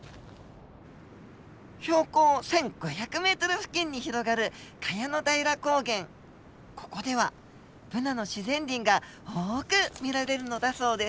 標高１，５００ｍ付近に広がるここではブナの自然林が多く見られるのだそうです。